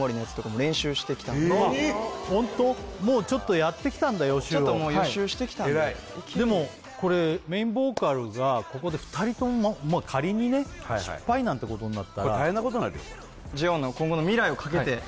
もうちょっとやってきたんだ予習をちょっともう予習してきたんででもこれメインボーカルがここで２人とも仮にね失敗なんてことになったら大変なことになるよでしょ？